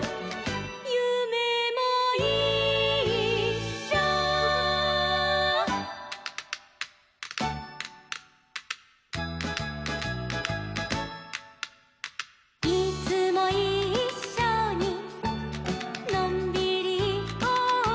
「ゆめもいっしょ」「いつもいっしょにのんびりいこうよ」